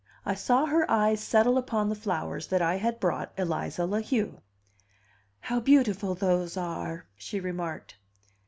I saw her eyes settle upon the flowers that I had brought Eliza La Heu. "How beautiful those are!" she remarked.